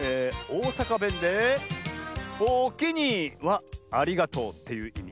おおさかべんで「おおきに」は「ありがとう」っていういみ。